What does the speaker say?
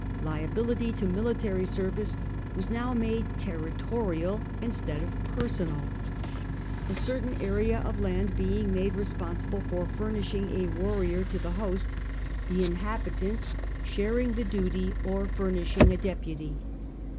Liability to military service was now made territorial instead of personal; a certain area of land being made responsible for furnishing a warrior to the host, the inhabitants sharing the duty or furnishing a deputy.